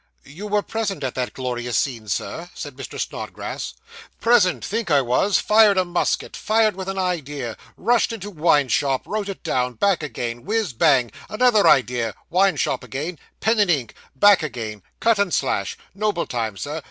'You were present at that glorious scene, sir?' said Mr. Snodgrass. 'Present! think I was;* fired a musket fired with an idea rushed into wine shop wrote it down back again whiz, bang another idea wine shop again pen and ink back again cut and slash noble time, Sir.